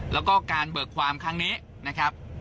แล้วก็การเบิกความครั้งนี้นะครับ